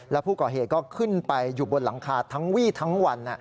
แล้วผู้ก่อเหตุก็ขึ้นไปอยู่บนหลังคาทั้งวี่ทั้งวัน